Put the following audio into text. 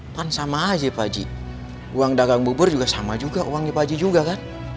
kan sama aja paji uang dagang bubur juga sama juga uangnya pak haji juga kan